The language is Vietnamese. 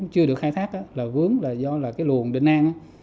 chưa được khai thác vướng do luồng đình an